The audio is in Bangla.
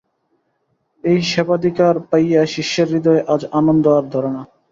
এই সেবাধিকার পাইয়া শিষ্যের হৃদয়ে আজ আনন্দ আর ধরে না।